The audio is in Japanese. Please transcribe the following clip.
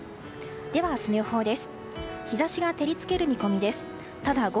では、明日の予報です。